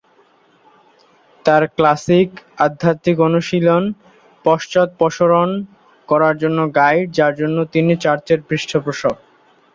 তার ক্লাসিক, আধ্যাত্মিক অনুশীলন, পশ্চাদপসরণ করার জন্য গাইড, যার জন্য তিনি চার্চের পৃষ্ঠপোষক।